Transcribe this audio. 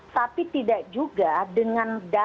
tapi tidak juga dengan dali pembuatan